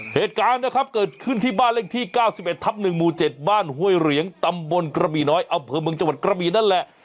เหตุการณ์นะครับเกิดขึ้นที่บ้านเลขที่๙๑ทับ๑หมู่๗บ้านห้วยเหรียงตำบลกระบี่น้อยอำเภอเมืองจังหวัดกระบีนั่นแหละ